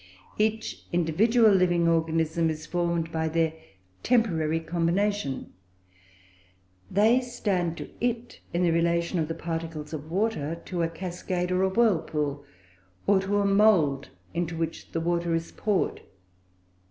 Each individual living organism is formed by their temporary combination. They stand to it in the relation of the particles of water to a cascade, or a whirlpool; or to a mould, into which the water is poured.